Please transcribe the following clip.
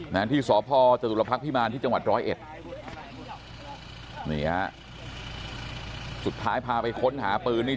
นะที่สพจตุรพักษ์พิมารที่จังหวัดร้อยเอ็ดนี่ฮะสุดท้ายพาไปค้นหาปืนนี่